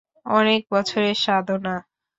অনেক বছরের সাধনা।